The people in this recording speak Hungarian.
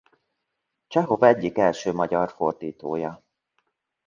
Csehov egyik első magyar fordítója.